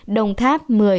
đồng tháp một mươi